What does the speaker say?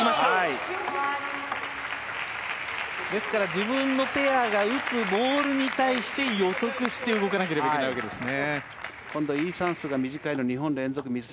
自分のペアが打つボールに対して予測して動かなければいけないわけですね。